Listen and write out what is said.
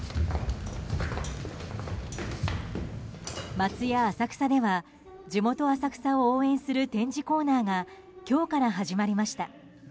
松屋浅草では地元・浅草を応援する展示コーナーが今日から始まりました。